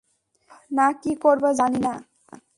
ওহ, না কী করবো, জানি না!